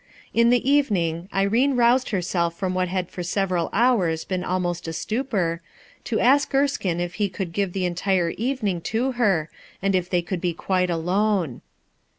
In the evening Irene roused herself from what had for several hours been almost a stupor, to ask Erskine if he could give the entire evening to her, and if they could be quite alone.